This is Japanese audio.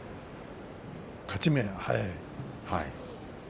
勝ち目が早い。